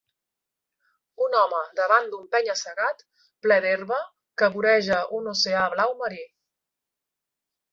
un home davant d'un penya-segat ple d'herba que voreja un oceà blau marí.